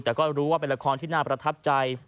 แต่ก็รู้ว่าเป็นละครที่น่าประทับใจ